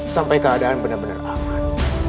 sampai keadaan benar benar aman